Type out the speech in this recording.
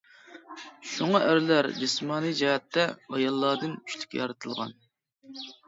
شۇڭا ئەرلەر جىسمانىي جەھەتتە ئاياللاردىن كۈچلۈك يارىتىلغان.